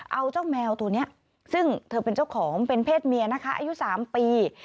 เอาเจ้าแมวตัวนี้ซึ่งเธอเป็นเจ้าของเป็นเพศเมียนะคะอายุ๓ปี